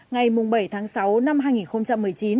ngày bảy tháng sáu năm hai nghìn một mươi chín